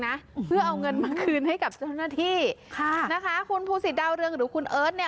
นะเพื่อเอาเงินมาคืนให้กับเจ้าหน้าที่ค่ะนะคะคุณภูสิตดาวเรืองหรือคุณเอิร์ทเนี่ย